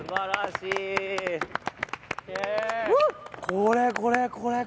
これこれこれこれ。